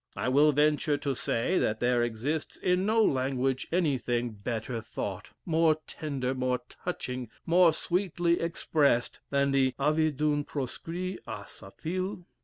I will venture to say, that there exists in no language anything better thought, more tender, more touching, more sweetly expressed, than the 'Avis d'un Proscrit a sa Fill.'